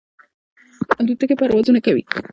الوتکې پروازونه کوي.